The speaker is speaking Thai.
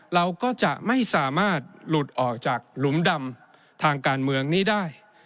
เราก็จะไม่สามารถหลุดออกจากหลุมดำทางการเมืองนี้ได้